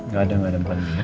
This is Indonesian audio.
gak ada gak ada makan mie